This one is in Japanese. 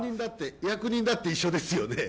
役人だって一緒ですよね。